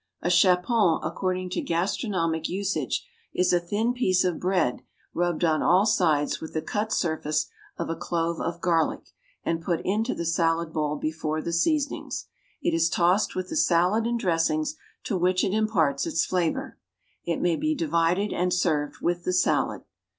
A chapon, according to gastronomic usage, is a thin piece of bread rubbed on all sides with the cut surface of a clove of garlic and put into the salad bowl before the seasonings. It is tossed with the salad and dressings, to which it imparts its flavor. It may be divided and served with the salad.